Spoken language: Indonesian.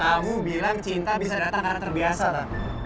kamu bilang cinta bisa datang karena terbiasa lah